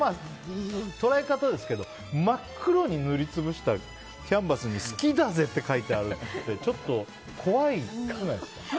捉え方ですけど真っ黒に塗り潰したキャンバスに好きだぜって書いてあるってちょっと怖くないですか。